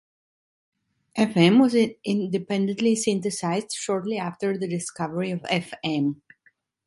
Fm was independently synthesized shortly after the discovery of Fm.